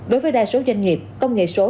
đối với đa số doanh nghiệp công nghệ số